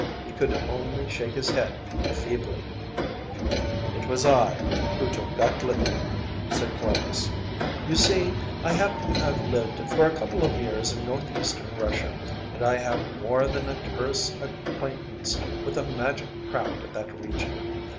He could only shake his head feebly. “It was I who took that liberty,‚ÄĚ said Clovis; “you see, I happen to have lived for a couple of years in North Eastern Russia, and I have more than a tourist’s acquaintance with the magic craft of that region.